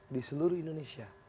di seluruh indonesia